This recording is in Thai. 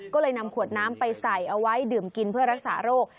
ก็เลยนำขวดน้ำไปใส่เอาไว้ดื่มกินเพื่อรักษาโรค